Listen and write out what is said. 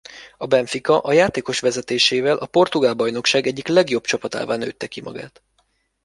A Benfica a játékos vezetésével a Portugál bajnokság egyik legjobb csapatává nőtte ki magát.